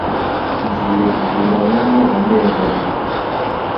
Ngiye kuguma hano amezi abiri.